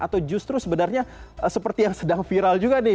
atau justru sebenarnya seperti yang sedang viral juga nih